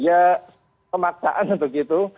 ya kemaksaan untuk gitu